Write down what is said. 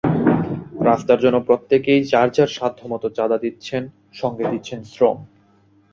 রাস্তার জন্য প্রত্যেকেই যাঁর যাঁর সাধ্যমতো চাঁদা দিচ্ছেন, সঙ্গে দিচ্ছেন শ্রম।